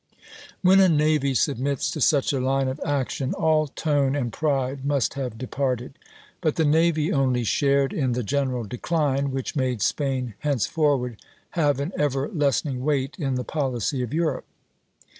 " When a navy submits to such a line of action, all tone and pride must have departed; but the navy only shared in the general decline which made Spain henceforward have an ever lessening weight in the policy of Europe.